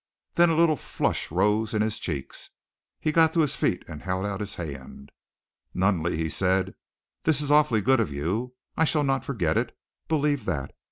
Then a little flush rose in his cheeks. He got to his feet and held out his hand. "Nunneley," he said, "this is awfully good of you. I shall not forget it. Believe that.